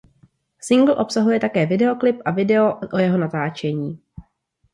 Singl obsahuje také videoklip a video o jeho natáčení.